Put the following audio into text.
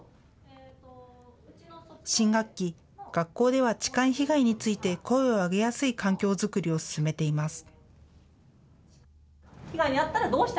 新学期、学校では痴漢被害について声を上げやすい環境作りを進めています。